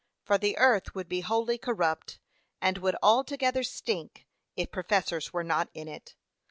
For the earth would be wholly corrupt, and would altogether stink, if professors were not in it.